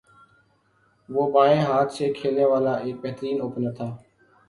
وہ بائیں ہاتھ سےکھیلنے والا ایک بہترین اوپنر تھا